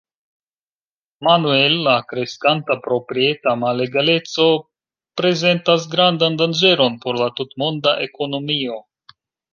Manuel, la kreskanta proprieta malegaleco prezentas grandan danĝeron por la tutmonda ekonomio.